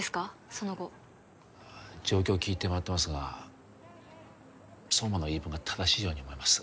その後状況聞いて回ってますが壮磨の言い分が正しいように思えます